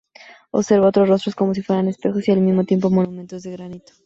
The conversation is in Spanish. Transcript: Observa otros rostros como si fueran espejos y al mismo tiempo monumentos de granito.